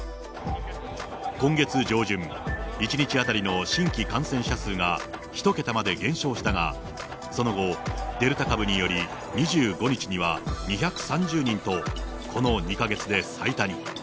今月上旬、１日当たりの新規感染者数が１桁まで減少したが、その後、デルタ株により、２５日には２３０人と、この２か月で最多に。